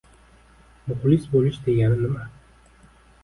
— Muxlis bo‘lish degani nima?